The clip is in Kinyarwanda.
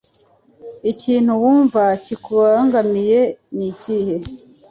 ikintu wumva kikubangamiye nikihe